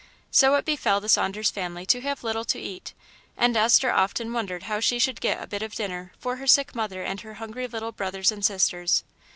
So it befell the Saunders family to have little to eat; and Esther often wondered how she should get a bit of dinner for her sick mother and her hungry little brothers and sisters.